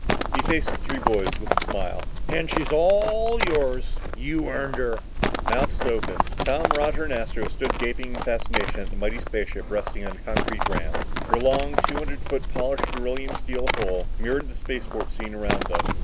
He faced the three boys with a smile. "And she's all yours. You earned her!" Mouths open, Tom, Roger and Astro stood gaping in fascination at the mighty spaceship resting on the concrete ramp. Her long two hundred foot polished beryllium steel hull mirrored the spaceport scene around them.